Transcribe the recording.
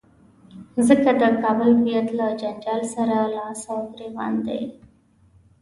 ځکه د کابل هویت له جنجال سره لاس او ګرېوان دی.